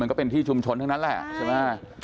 ก็เป็นที่ชุมชนทั้งนั้นแหละใช่ไหม